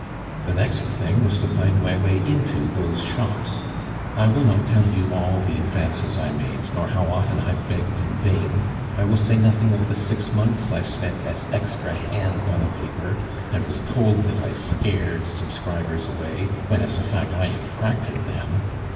The next thing was to find my way into those shops. I will not tell you all the advances I made, nor how often I begged in vain. I will say nothing of the six months I spent as extra hand on a paper, and was told that I scared subscribers away, when as a fact I attracted them.